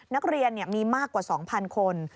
นักเรียนมีมากกว่า๒๐๐คน